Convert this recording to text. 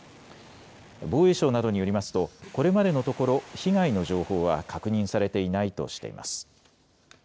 防衛省などによりますとこれまでのところ被害の情報は確認されていないとしています。